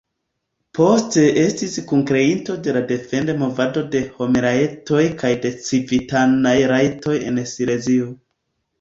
Poste estis kunkreinto de la Defend-Movado de Homrajtoj kaj de Civitanaj Rajtoj en Silezio.